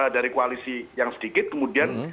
dari koalisi yang sedikit kemudian